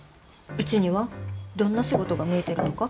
うちにはどんな仕事が向いてるのか。